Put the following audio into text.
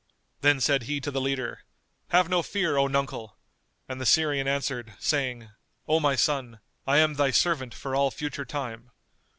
Then said he to the leader, "Have no fear, O nuncle!" and the Syrian answered, saying, "O my son, I am thy servant for all future time."